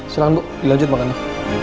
silahkan bu dilanjut makannya